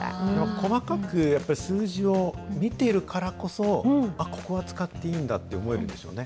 細かくやっぱり、数字を見てるからこそ、ここは使っていいんだって思えるんですよね。